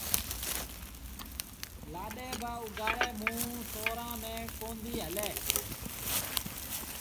لآڏي بآ اُگھآڙي مݩهݩ سُورآݩ ميݩ ڪونديٚ هلي